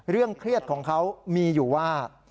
เรื่องเครียดของเขามีอยู่ว่า